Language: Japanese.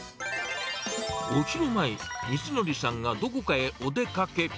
お昼前、みつのりさんがどこかへお出かけ。